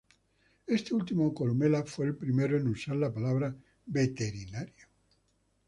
Este último, Columela, fue el primero en usar la palabra "veterinario".